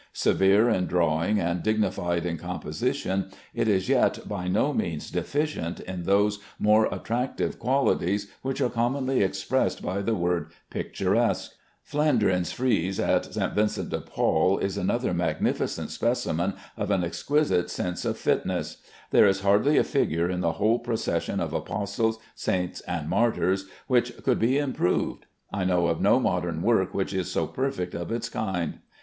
Severe in drawing and dignified in composition, it is yet by no means deficient in those more attractive qualities which are commonly expressed by the word "picturesque." Flandrin's frieze at St. Vincent de Paul is another magnificent specimen of an exquisite sense of fitness. There is hardly a figure in the whole procession of apostles, saints, and martyrs, which could be improved. I know of no modern work which is so perfect of its kind.